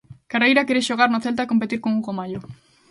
Carreira quere xogar no Celta e competir con Hugo Mallo.